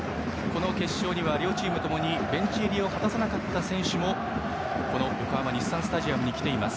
この決勝には両チームともベンチ入りを果たさなかった選手もこの横浜・日産スタジアムに来ています。